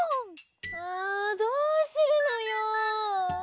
あどうするのよ！